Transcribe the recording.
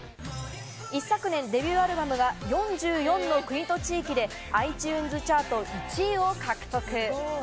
一昨年、デビューアルバムが４４の国と地域でｉＴｕｎｅｓチャート１位を獲得。